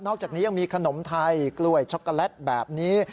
อกจากนี้ยังมีขนมไทยกล้วยช็อกโกแลตแบบนี้